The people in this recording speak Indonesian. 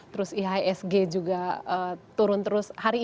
terus ihsg juga turun terus